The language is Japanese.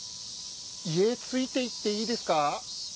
家ついて行っていいですか？